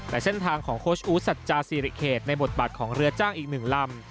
และเส้นทางของโค้ชอุ๊ธซาจาซีลิเครทในบทบัตรของเรือจ้างอีก๑ลำ